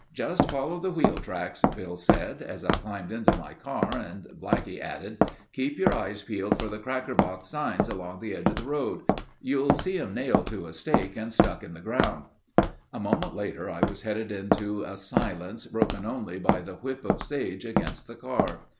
"Just follow the wheel tracks," Bill said, as I climbed into my car and Blackie added: "Keep your eyes peeled for the cracker box signs along the edge of the road. You'll see 'em nailed to a stake and stuck in the ground." A moment later I was headed into a silence broken only by the whip of sage against the car.